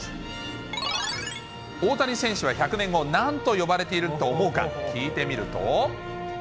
大谷選手は１００年後、なんと呼ばれていると思うか聞いてみると。